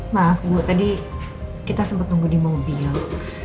maaf bu tadi kita sempat tunggu di mobil